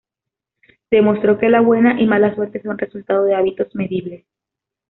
Demostró que la buena y mala suerte son resultado de hábitos medibles.